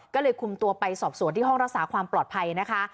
ก็เลยคุมตัวไปสอบสวนที่ห้องรักษาความปลอดภัยนะคะ